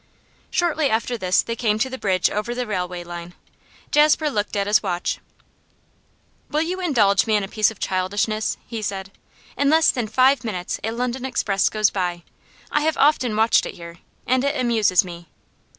Shortly after this they came to the bridge over the railway line. Jasper looked at his watch. 'Will you indulge me in a piece of childishness?' he said. 'In less than five minutes a London express goes by; I have often watched it here, and it amuses me.